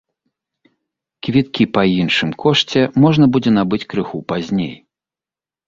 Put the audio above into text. Квіткі па іншым кошце можна будзе набыць крыху пазней.